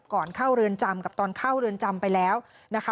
ก่อนเข้าเรือนจำกับตอนเข้าเรือนจำไปแล้วนะคะ